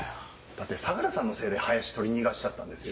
だって相良さんのせいで林取り逃がしちゃったんですよ。